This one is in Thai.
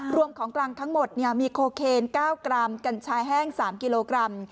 ของกลางทั้งหมดมีโคเคน๙กรัมกัญชาแห้ง๓กิโลกรัม